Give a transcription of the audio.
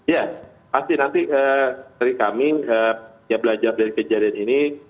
ya pasti nanti kami ya belajar dari kejadian ini